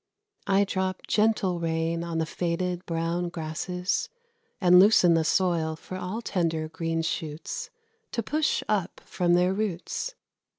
I drop gentle rain on the faded, brown grasses, And loosen the soil for all tender, green shoots, To push up from their roots.